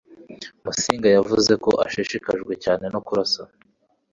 musinga yavuze ko ashishikajwe cyane no kurasa